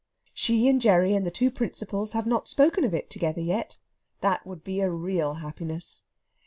She and Gerry and the two principals had not spoken of it together yet. That would be a real happiness.